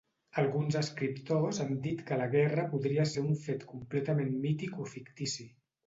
Alguns escriptors han dit que la guerra podria ser un fet completament mític o fictici.